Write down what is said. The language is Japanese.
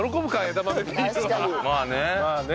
まあね。